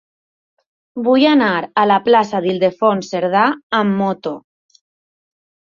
Vull anar a la plaça d'Ildefons Cerdà amb moto.